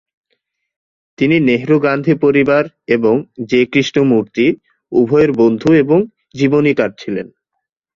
তিনি নেহরু-গান্ধী পরিবার এবং জে কৃষ্ণমূর্তি, উভয়ের বন্ধু এবং জীবনীকার ছিলেন।